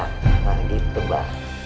gak gitu bang